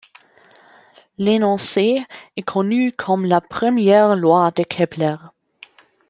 L'énoncé est connu comme la première loi de Kepler.